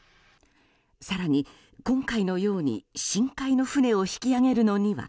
更に、今回のように深海の船を引き揚げるのには